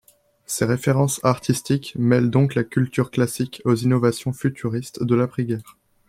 Ses références artistiques mêlent donc la culture classique aux innovations futuristes de l'après-guerre.